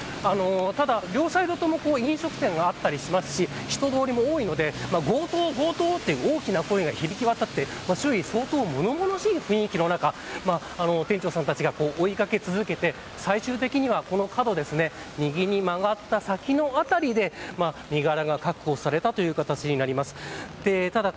ただ、両サイドとも飲食店があったりしますし人通りも多いので強盗、強盗という大きな声が響き渡って周囲、相当物々しい雰囲気の中店長さんたちが追い掛け続けて最終的には、この角を右に曲がった先の辺りで身柄が確保されたという形になります。